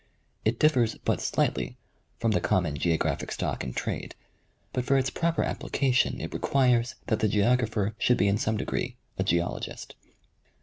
It differs but slightly from the common geographic stock in trade, but for its proper application it requires that the geographer should be in some degree a geologist.